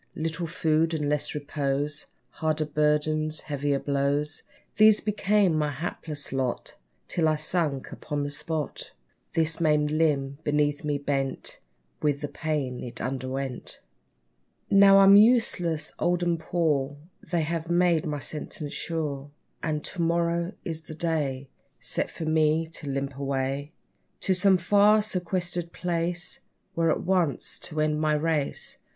Little food, and less repose; Harder burdens heavier blows, These became my hapless lot, Till I sunk upon the spot! This maimed limb beneath me bent With the pain it underwent. Now I'm useless, old, and poor, They have made my sentence sure; And to morrow is the day, Set for me to limp away, To some far, sequestered place, There at once to end my race.